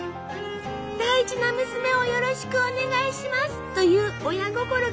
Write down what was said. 「大事な娘をよろしくお願いします」という親心が込められているの。